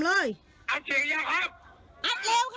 นะนี่เธอเอางาน